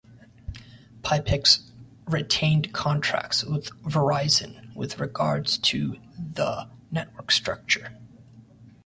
Pipex retained contracts with Verizon with regards to the network structure.